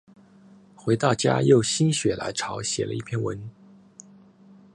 回到家又心血来潮写了一篇文